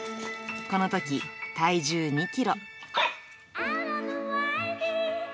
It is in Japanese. このとき、体重２キロ。